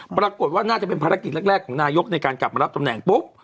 ปรากฏว่าน่าจะเป็นภารกิจแรกของนายกในการกลับมารับตำแหน่งปุ๊บ